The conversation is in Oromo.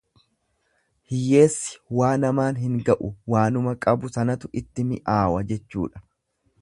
Hiyyeessi waa namaan hin ga'u, waanuma qabu sanatu itti mi'aawa jechuudha.